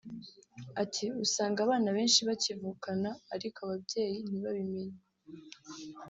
Ati “Usanga abana benshi bakivukana ariko ababyeyi ntibabimenye